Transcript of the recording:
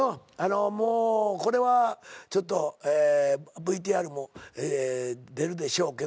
もうこれはＶＴＲも出るでしょうけど。